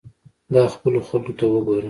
دا خپلو خلقو ته وګوره.